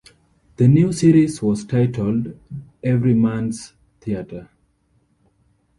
The new series was titled "Everyman's Theatre".